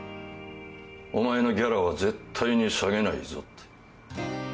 お前のギャラは絶対に下げないぞって。